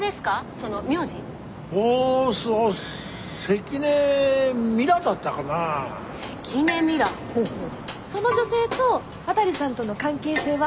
その女性と渡さんとの関係性は？